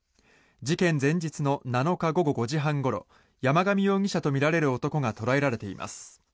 事件前日の７日午後５時半ごろ山上容疑者とみられる男が捉えられています。